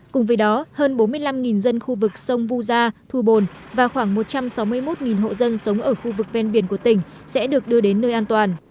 cùng với đó hơn bốn mươi năm dân khu vực sông vu gia thu bồn và khoảng một trăm sáu mươi một hộ dân sống ở khu vực ven biển của tỉnh sẽ được đưa đến nơi an toàn